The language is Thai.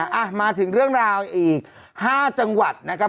อ่ะมาถึงเรื่องราวอีก๕จังหวัดนะครับ